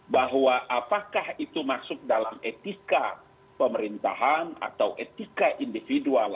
bahwa apakah itu masuk dalam etika pemerintahan atau etika individual